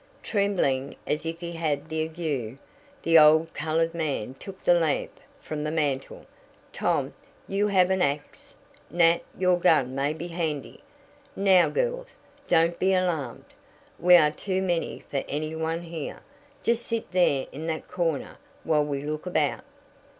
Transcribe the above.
Trembling as if he had the ague, the old colored man took the lamp from the mantel. "Tom, you have an ax. Nat, your gun may be handy. Now, girls, don't be alarmed. We are too many for any one here. Just sit there in that corner while we look about."